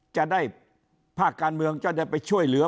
จะได้ภาคการเมืองจะได้ไปช่วยเหลือ